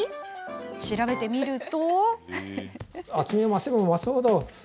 調べてみると。